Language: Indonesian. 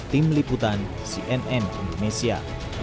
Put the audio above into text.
tim liputan cnn indonesia